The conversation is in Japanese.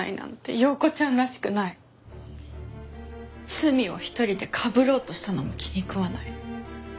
罪を１人でかぶろうとしたのも気に食わない。